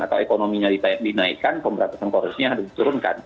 atau ekonominya dinaikkan pemberantasan korupsinya harus diturunkan